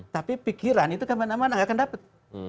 tapi pikiran itu kemana mana nggak akan dapat